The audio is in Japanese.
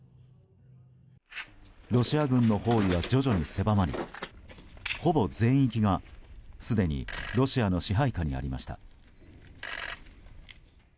ロシア軍の包囲は徐々に狭まりほぼ全域がすでにロシアの支配下にありました。